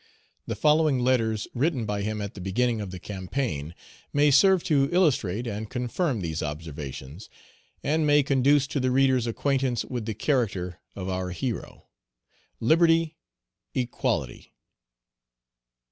The following letters, written by him at the beginning of the campaign, may serve to illustrate and confirm these observations, and may conduce to the reader's acquaintance with the character of our hero. "LIBERTY. "EQUALITY.